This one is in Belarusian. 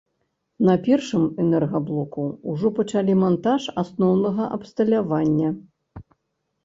На першым энергаблоку ўжо пачалі мантаж асноўнага абсталявання.